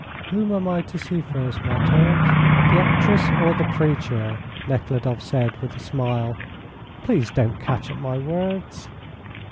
"Whom am I to see first, ma tante the actress or the preacher?" Nekhludoff said with a smile. "Please don't catch at my words."